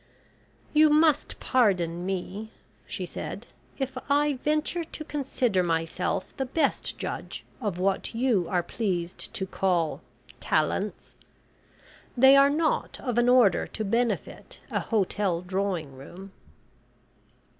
"You must pardon me," she said, "if I venture to consider myself the best judge of what you are pleased to call talents. They are not of an order to benefit a hotel drawing room."